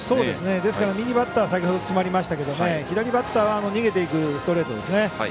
ですから右バッターは先ほど詰まりましたけど左バッターは逃げていくストレートですね